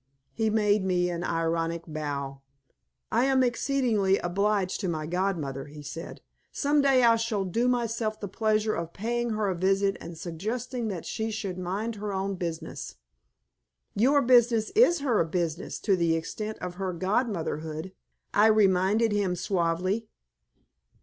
He made me an ironical bow. "I am exceedingly obliged to my godmother," he said. "Some day I shall do myself the pleasure of paying her a visit and suggesting that she should mind her own business." "Your business is her business to the extent of her godmotherhood," I reminded him, suavely.